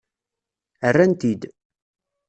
Rran-t-id.